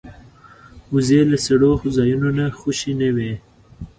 وزې له سړو ځایونو نه خوشې نه وي